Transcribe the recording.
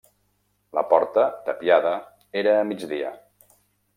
La porta, tapiada, era a migdia.